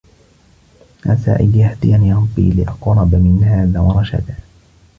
عَسَى أَن يَهْدِيَنِ رَبِّي لِأَقْرَبَ مِنْ هَذَا رَشَدًا.